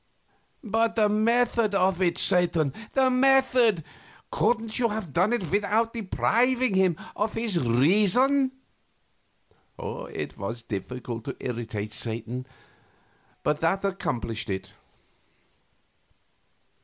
"But the method of it, Satan, the method! Couldn't you have done it without depriving him of his reason?" It was difficult to irritate Satan, but that accomplished it.